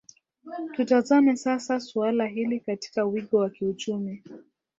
tutazame sasa suala hili katika wigo wa kiuchumi